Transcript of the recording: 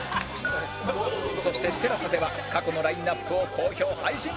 そして ＴＥＬＡＳＡ では過去のラインアップを好評配信中！